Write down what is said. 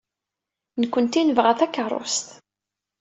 Nekkenti nebɣa takeṛṛust.